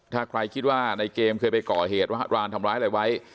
ถ้าใครคิดว่าในเกมเคยไปก่อเหตุว่ารานทำร้ายอะไรไว้